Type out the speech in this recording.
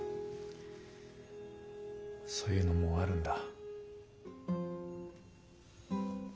そういうのもうあるんだ。